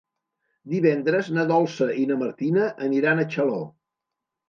Divendres na Dolça i na Martina aniran a Xaló.